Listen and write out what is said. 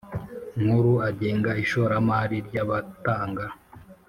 Nkuru agenga ishoramari ry abatanga